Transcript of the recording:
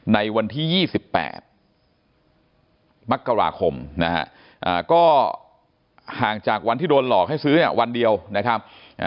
ในวันที่๒๘มคก็ลงจากวันที่โดนหลอกให้ซื้อวันเดียวนะครับ